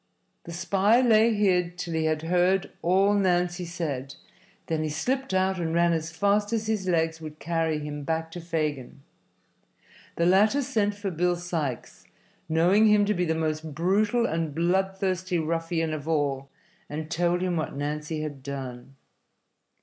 The spy lay hid till he had heard all Nancy said; then he slipped out and ran as fast as his legs would carry him back to Fagin. The latter sent for Bill Sikes, knowing him to be the most brutal and bloodthirsty ruffian of all, and told him what Nancy had done.